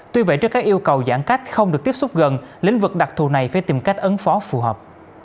tuy vậy trước các yêu cầu giãn cách không được tiếp xúc gần lĩnh vực đặc thù này phải tìm cách ứng phó phù hợp